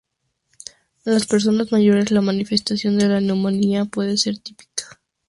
En las personas mayores, la manifestación de la neumonía puede no ser típica.